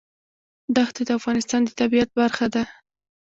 دښتې د افغانستان د طبیعت برخه ده.